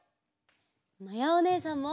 まやおねえさんも。